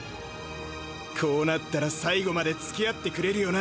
こうなったら最後までつきあってくれるよな？